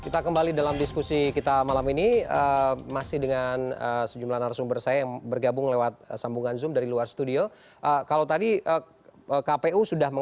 terima kasih ustaz jedah